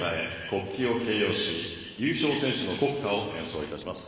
国旗を掲揚し優勝選手の国歌を演奏します。